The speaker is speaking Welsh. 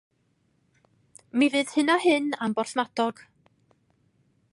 Mi fydd hyn a hyn am Borthmadog.